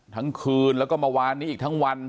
ทั้งคืนแล้วก็เมื่อวานนี้อีกทั้งวัน